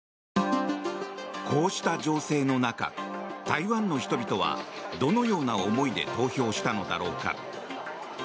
こうした情勢の中台湾の人々はどのような思いで投票したのだろうか。